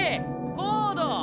コード。